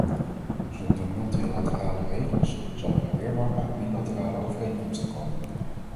Zonder multilaterale regels zal er een wirwar aan bilaterale overeenkomsten komen.